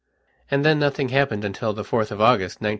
And then nothing happened until the 4th of August, 1913.